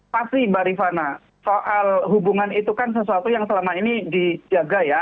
pasti mbak rifana soal hubungan itu kan sesuatu yang selama ini dijaga ya